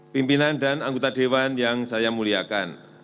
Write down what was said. pimpinan dan anggota dewan yang saya muliakan